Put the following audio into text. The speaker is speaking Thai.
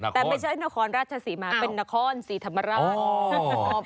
แต่ไม่ใช่นครราชศรีมาเป็นนครศรีธรรมราช